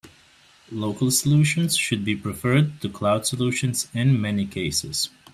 Local solutions should be preferred to cloud solutions in many cases.